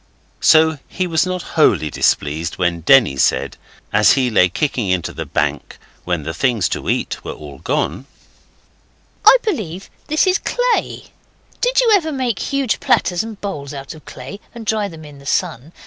So he was not wholly displeased when Denny said, as he lay kicking into the bank when the things to eat were all gone 'I believe this is clay: did you ever make huge platters and bowls out of clay and dry them in the sun?